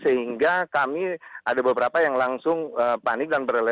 sehingga kami ada beberapa yang langsung panik dan berlebihan